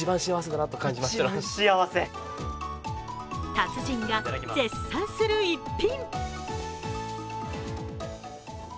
達人が絶賛する逸品。